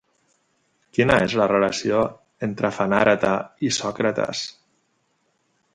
Quina és la relació entre Fenàreta i Sòcrates?